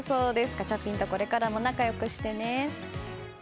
ガチャピンとこれからも仲良くしてね。